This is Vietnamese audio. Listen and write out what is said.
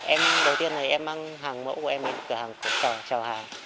em đầu tiên này em mang hàng mẫu của em đến cửa hàng phục trào hàng